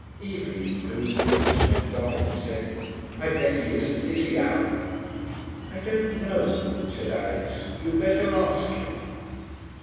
Evie, to whom goodness meant dullness, said, 'I bet he isn't. Is he, Al?' 'I don't know,' said Alix. 'You'd better ask him.'